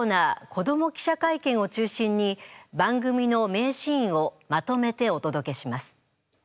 「子ども記者会見」を中心に番組の名シーンをまとめてお届けします。